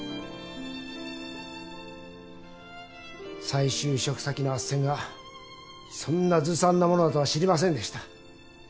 再就職先の斡旋がそんなずさんなものだとは知りませんでした。